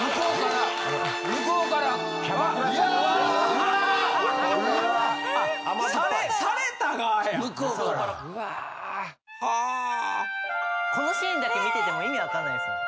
このシーンだけ見てても意味わかんないですよ。